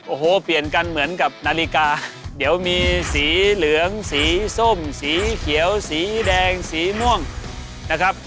โอ้โหเปลี่ยนกันเหมือนกับนาฬิกาเดี๋ยวมีสีเหลืองสีส้มสีเขียวสีแดงสีม่วงนะครับ